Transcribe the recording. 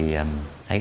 thấy hiển mới